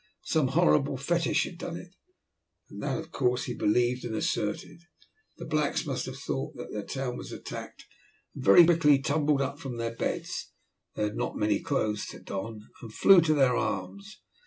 Some horrible fetish had done it, that of course he believed and asserted. The blacks must have thought that their town was attacked, and very quickly tumbled up from their beds (they had not many clothes to don) and flew to their arms.